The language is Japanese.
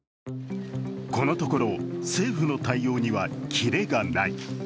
このところ、政府の対応にはキレがない。